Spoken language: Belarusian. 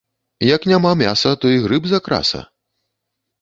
Як няма мяса, то і грыб закраса